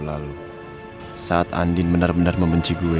pusat dit mudah membenci gue